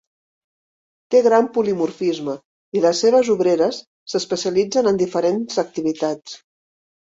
Té gran polimorfisme i les seves obreres s'especialitzen en diferents activitats.